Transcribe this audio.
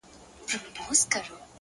لوړ هدف لویه انرژي زېږوي!.